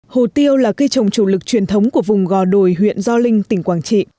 hồ tiêu là cây trồng chủ lực truyền thống của vùng gò đồi huyện gio linh tỉnh quảng trị